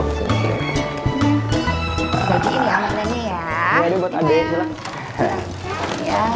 ini ada buat ade juga